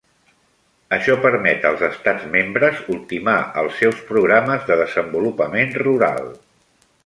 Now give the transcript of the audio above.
Això permet als Estats Membres ultimar els seus programes de desenvolupament rural.